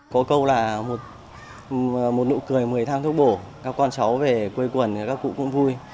có câu là một nụ cười một mươi thang thuốc bổ các con cháu về quê quần các cụ cũng vui